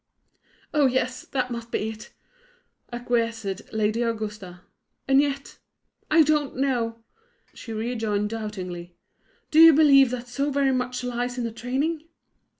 "Ah, yes, that must be it," acquiesced Lady Augusta. "And yet I don't know," she rejoined, doubtingly. "Do you believe that so very much lies in the training?"